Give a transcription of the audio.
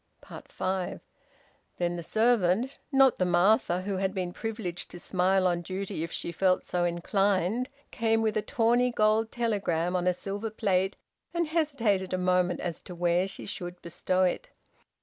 FIVE. Then the servant not the Martha who had been privileged to smile on duty if she felt so inclined came with a tawny gold telegram on a silver plate, and hesitated a moment as to where she should bestow it.